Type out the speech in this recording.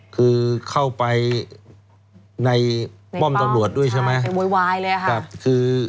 คือเข้าไปในป้อมตำรวจด้วยใช่ไหม